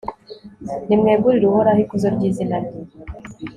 nimwegurire uhoraho ikuzo ry'izina rye